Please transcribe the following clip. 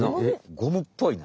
ゴムっぽいな。